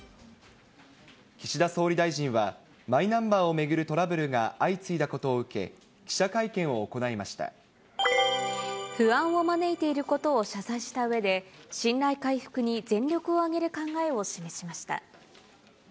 岸田総理大臣は、マイナンバーを巡るトラブルが相次いだことを受け、記者会見を行不安を招いていることを謝罪したうえで、信頼回復に全力を挙げる考えを示しました。